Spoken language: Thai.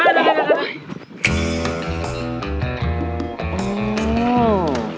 เดิน